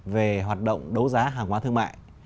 về hoạt động đấu giá hàng hóa thương mại